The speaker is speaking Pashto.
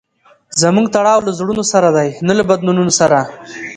زموږ تړاو له زړونو سره دئ؛ نه له بدنونو سره.